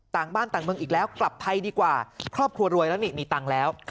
ต่างบ้านต่างเมืองอีกแล้วกลับไทยดีกว่าครอบครัวรวยแล้วนี่มีตังค์แล้ว